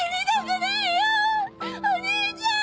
お兄ちゃん！